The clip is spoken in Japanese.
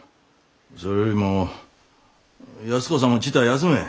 それよりも安子さんもちいたあ休め。